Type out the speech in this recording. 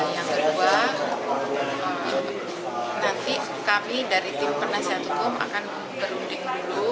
yang kedua nanti kami dari tim penasihat hukum akan berunding dulu